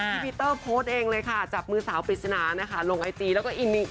พี่พีเตอร์โพสต์เองเลยค่ะจับมือสาวปริศนานะคะลงไอจีแล้วก็อินหนึ่ง